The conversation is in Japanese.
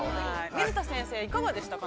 ◆水田先生、いかがでしたか。